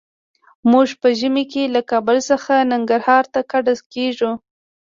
موږ په ژمي کې له کابل څخه ننګرهار ته کډه کيږو.